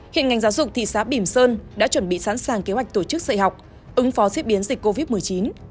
hiện ngành giáo dục thị xã bỉm sơn đã chuẩn bị sẵn sàng kế hoạch tổ chức dạy học ứng phó diễn biến dịch covid một mươi chín